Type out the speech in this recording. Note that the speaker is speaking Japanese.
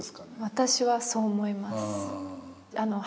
私はそう思います。